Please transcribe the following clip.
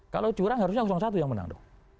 kalau curang harusnya satu yang menang dong